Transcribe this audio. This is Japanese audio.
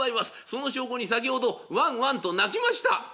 その証拠に先ほどワンワンと鳴きました」。